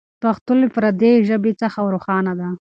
پښتو له پردۍ ژبې څخه روښانه ده.